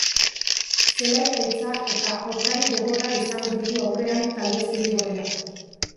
Zelai gaitza eta aurkari gogorra izango ditu aurrean talde zuri-gorriak.